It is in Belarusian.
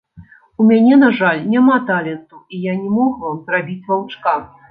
У мяне, на жаль, няма таленту, і я не мог вам зрабіць ваўчка.